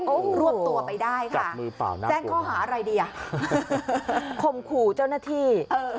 โอ้โฮรวบตัวไปได้ค่ะแสงเขาหาอะไรดีอ่ะข่อมคู่เจ้าหน้าที่